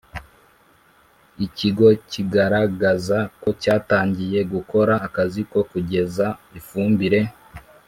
Ikigo kigaragaza ko cyatangiye gukora akazi ko kugeza ifumbire